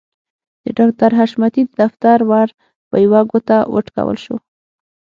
د ډاکټر حشمتي د دفتر ور په يوه ګوته وټکول شو.